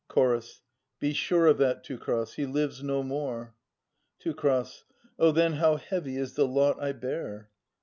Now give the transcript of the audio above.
Ch. Be sure of that, Teucer. He lives no more. Teu. Oh, then how heavy is the lot I bear